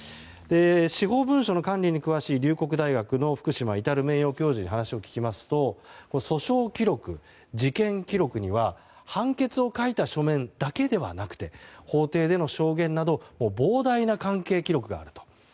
司法文書の管理に詳しい龍谷大学の福島至名誉教授に話を聞きますと訴訟記録、事件記録には判決を書いた書面だけではなくて法廷での証言など膨大な関係記録があると。